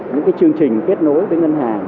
những chương trình kết nối với ngân hàng